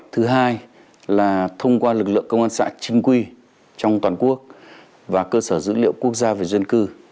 thứ hai là thông qua lực lượng công an xã chính quy trong toàn quốc và cơ sở dữ liệu quốc gia về dân cư